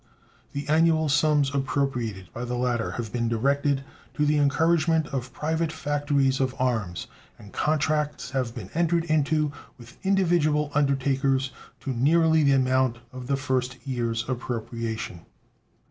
The annual sums appropriated by the latter have been directed to the encouragement of private factories of arms, and contracts have been entered into with individual undertakers to nearly the amount of the first year's appropriation.